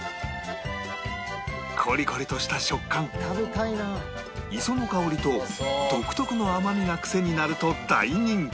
コリコリとした食感磯の香りと独特の甘みが癖になると大人気